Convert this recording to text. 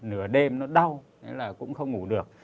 nửa đêm nó đau nên là cũng không ngủ được